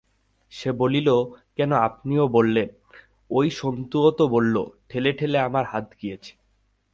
সে বলিল, কেন আপনিও বললেন, ওই সন্তুও তো বলল, ঠেলে ঠেলে আমার হাত গিয়েছে।